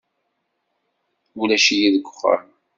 Ulac-iyi deg uxxam.